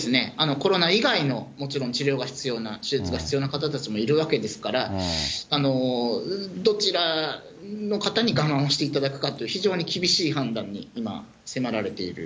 コロナ以外の、もちろん治療が必要な、手術が必要な方たちもいるわけですから、どちらの方に我慢をしていただくかという、非常に厳しい判断に今、迫られている。